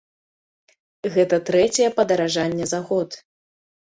Гэта трэцяе падаражанне за год.